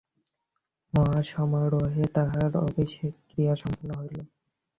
মহাসমারোহে তাঁহার অভিষেকক্রিয়া সম্পন্ন হইল।